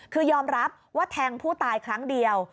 คือยอมรับว่าแทงผู้ตาย